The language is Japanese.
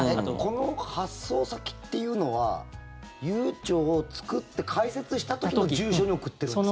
この発送先っていうのはゆうちょを作って開設した時の住所に送ってるんですか？